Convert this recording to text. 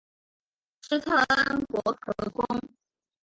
施特恩伯格宫。